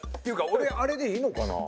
俺あれでいいのかな？